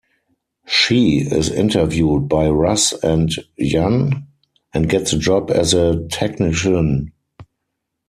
"She" is interviewed by Russ and Jan, and gets a job as a technician.